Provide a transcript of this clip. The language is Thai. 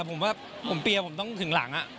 ผมว่าผมเปียผมต้องถึงหลัง